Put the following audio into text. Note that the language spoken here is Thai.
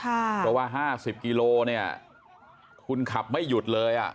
เพราะว่าห้าสิบกิโลเนี้ยคุณขับไม่หยุดเลยอ่ะ